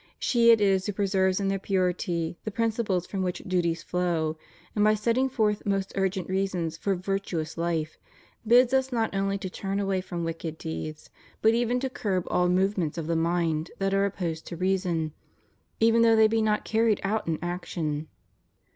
She it is who preserves in their purity the principles from which duties flow, and by setting forth most urgent reasons for virtuous life, bids us not only to turn away from wicked deeds, but even to curb all movements of the mind that are opposed to reason, even though they be not carried out in action.